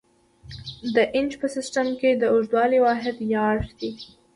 د انچ په سیسټم کې د اوږدوالي واحد یارډ دی.